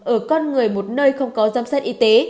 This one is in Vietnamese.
ở con người một nơi không có giám sát y tế